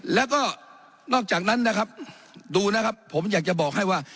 แล้วก็นอกจากนั้นนะครับดูนะครับผมอยากจะบอกให้ว่า